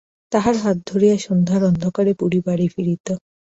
তাহার হাত ধরিয়া সন্ধ্যার অন্ধকারে বুড়ি বাড়ী ফিরিত।